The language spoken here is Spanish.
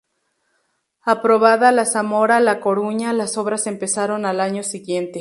Aprobada la Zamora-La Coruña las obras empezaron al año siguiente.